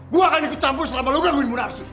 gua akan ikut campur selama lu gangguin munarsy